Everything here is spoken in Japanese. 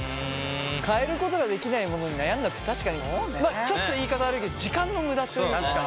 変えることができないものに悩んだって確かにちょっと言い方悪いけど時間の無駄というか。